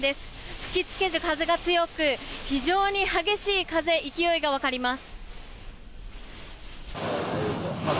吹き付ける風が強く非常に激しい勢いが分かります。